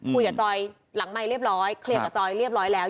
คุยกับจอยหลังไมค์เรียบร้อยเคลียร์กับจอยเรียบร้อยแล้ว